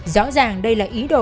rõ ràng đây là ý đồ